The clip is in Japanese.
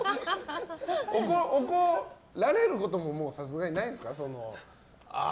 怒られることもさすがにないですか？